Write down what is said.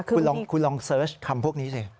คุณลองเสิร์ชคำพวกนี้สิ